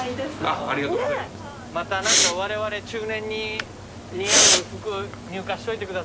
また何かわれわれ中年に似合う服入荷しといてください。